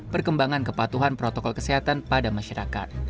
perkembangan kepatuhan protokol kesehatan pada masyarakat